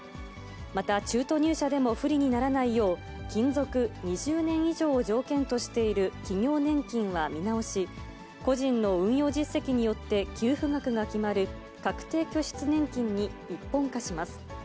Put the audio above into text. また、中途入社でも不利にならないよう、勤続２０年以上を条件としている企業年金は見直し、個人の運用実績によって給付額が決まる確定拠出年金に一本化します。